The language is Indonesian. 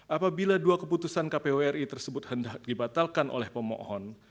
apabila dua keputusan kpu ri tersebut hendak dibatalkan oleh pemohon